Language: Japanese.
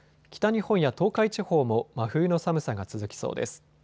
北日本や東海地方も真冬の寒さが続きそうです。